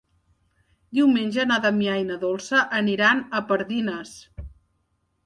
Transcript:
Diumenge na Damià i na Dolça aniran a Pardines.